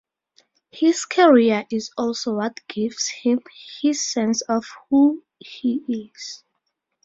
His career is also what gives him his sense of who he is.